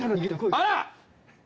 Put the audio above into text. あら！